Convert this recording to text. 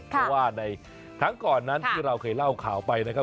เพราะว่าในครั้งก่อนนั้นที่เราเคยเล่าข่าวไปนะครับ